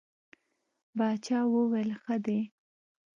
باچا وویل ښه دی.